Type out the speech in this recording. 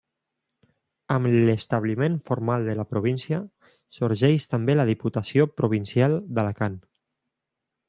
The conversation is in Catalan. Amb l'establiment formal de la província, sorgeix també la Diputació Provincial d'Alacant.